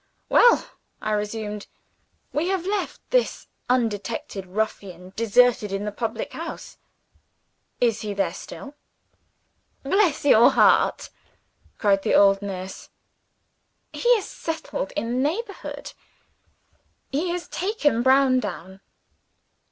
"Well?" I resumed. "We have left this undetected ruffian deserted in the public house. Is he there still?" "Bless your heart!" cried the old nurse, "he is settled in the neighborhood. He has taken Browndown."